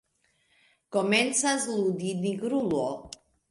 Komencas ludi Nigrulo.